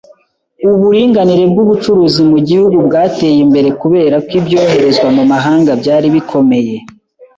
Uburinganire bw’ubucuruzi mu gihugu bwateye imbere kubera ko ibyoherezwa mu mahanga byari bikomeye,